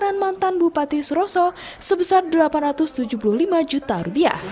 dengan mantan bupati suroso sebesar delapan ratus tujuh puluh lima juta rupiah